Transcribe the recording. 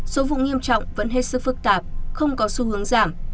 số vụ nghiêm trọng vẫn hết sức phức tạp không có xu hướng giảm